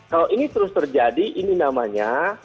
kalau ini terus terjadi ini namanya